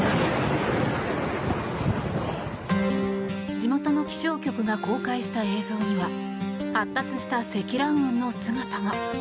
地元の気象局が公開した映像には発達した積乱雲の姿が。